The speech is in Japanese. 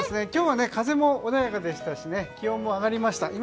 今日は風も穏やかでしたし気温も上がりました。